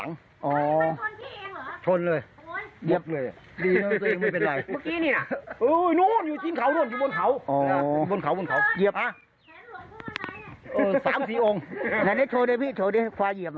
แง่นี้โชว์ดิพี่โควายเหยียบ